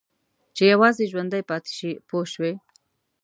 چې یوازې ژوندي پاتې شي پوه شوې!.